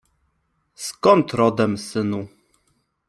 Skąd rodem, synu?